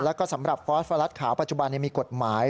แล้วก็สำหรับฟอสฟารัสขาวปัจจุบันมีกฎหมาย